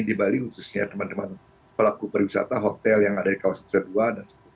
di bali khususnya teman teman pelaku perwisata hotel yang ada di kawasan kedua dan sekutu